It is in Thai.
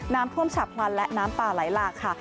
น้ำท่วมฉับพลันและน้ำป่าไหลหลากค่ะ